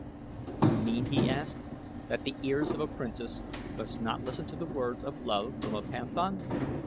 "You mean," he asked, "that the ears of a Princess must not listen to words of love from a panthan?"